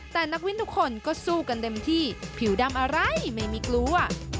แต่นักวินทุกคนก็สู้กันเต็มที่ผิวดำอะไรไม่มีกลัว